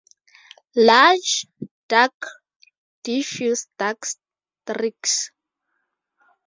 Large, dark, diffuse dark streaks.